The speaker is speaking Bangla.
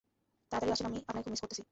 তারাতাড়ি আসেন আম্মি, আপনাকে খুব মিস করতেছি।